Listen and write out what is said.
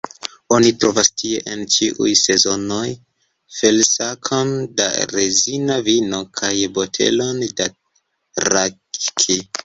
Oni trovas tie, en ĉiuj sezonoj, felsakon da rezina vino, kaj botelon da rhaki.